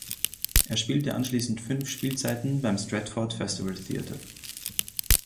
Er spielte anschließend fünf Spielzeiten beim Stratford Festival Theater.